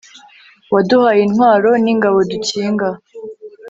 waduhaye intwaro n'ingabo dukinga